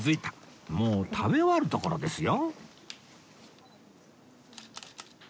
もう食べ終わるところですよ